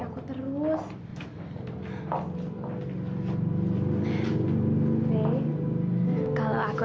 ibu kangen sama lara